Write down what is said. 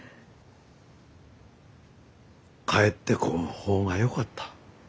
帰ってこん方がよかった。